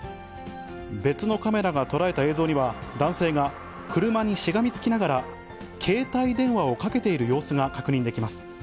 別のカメラが捉えた映像には、男性が車にしがみつきながら、携帯電話をかけている様子が確認できます。